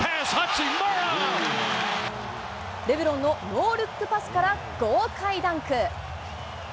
レブロンのノールックパスから豪快ダンク。